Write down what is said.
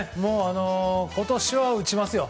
今年は打ちますよ。